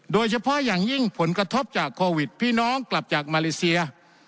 โดยเฉพาะอย่างยิ่งผลกระทบจากโควิดพี่น้องกลับจากมาเลเซีย